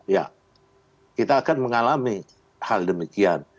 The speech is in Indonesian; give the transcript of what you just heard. ya kita akan mengalami hal demikian